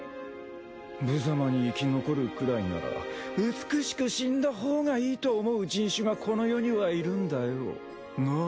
無様に生き残るくらいなら美しく死んだほうがいいと思う人種がこの世にはいるんだよ。なぁ？